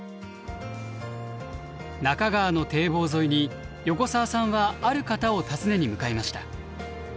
中川の堤防沿いに横澤さんはある方を訪ねに向かいました。